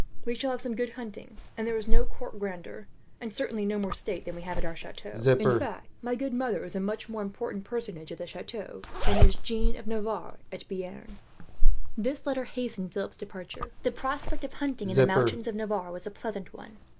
We shall have some good hunting, and there is no court grandeur, and certainly no more state than we have at our chateau. In fact, my good mother is a much more important personage, there, than is Jeanne of Navarre at Bearn." This letter hastened Philip's departure. The prospect of hunting in the mountains of Navarre was a pleasant one.